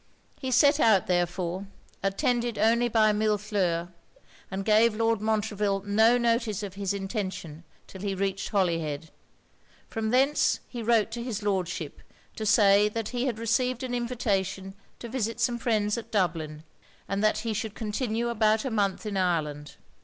He set out therefore, attended only by Millefleur, and gave Lord Montreville no notice of his intention 'till he reached Holyhead; from thence he wrote to his Lordship to say that he had received an invitation to visit some friends at Dublin, and that he should continue about a month in Ireland.